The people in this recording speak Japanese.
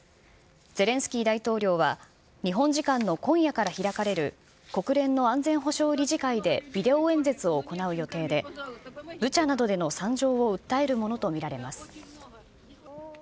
ゼレンスキー大統領は、日本時間の今夜から開かれる、国連の安全保障理事会でビデオ演説を行う予定で、ブチャなどでの惨状を訴えるものと見られます。